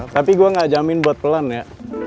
tapi gue gak jamin buat pelan ya